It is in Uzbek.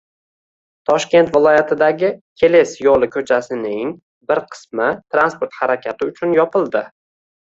Toshkent viloyatidagi Keles yo‘li ko‘chasining bir qismi transport harakati uchun yopildi